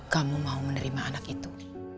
kamu mau menerima anak itu